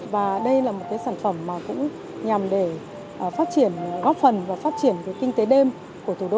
và đây là một sản phẩm nhằm phát triển góp phần và phát triển kinh tế đêm của thủ đô hà nội